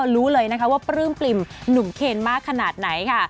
รู้เลยว่าปลื้มหนุ่มเคนมากขนาดไหนค่ะ